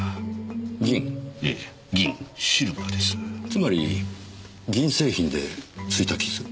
つまり銀製品で付いた傷？